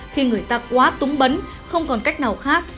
khi người ta quá túng bấn không còn cách nào khác